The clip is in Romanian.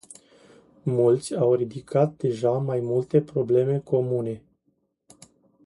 Mulți au ridicat deja mai multe probleme comune.